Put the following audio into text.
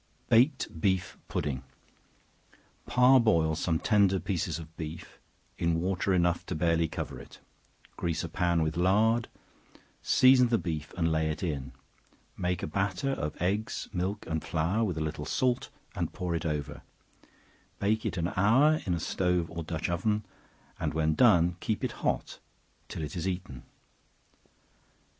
Baked Beef Pudding. Par boil some tender pieces of beef, in water enough to barely cover it; grease a pan with lard, season the beef and lay it in; make a batter of eggs, milk and flour, with a little salt, and pour it over; bake it an hour in a stove or dutch oven, and when done keep it hot till it is eaten.